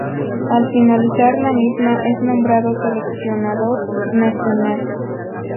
Al finalizar la misma es nombrado seleccionador nacional.